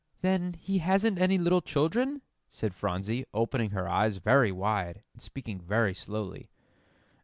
"Then he hasn't any little children?" said Phronsie, opening her eyes very wide, and speaking very slowly.